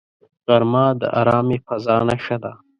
غرمه د آرامې فضاء نښه ده